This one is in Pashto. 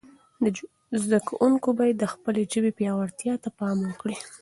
زده کوونکي باید د خپلې ژبې پياوړتیا ته پام وکړي.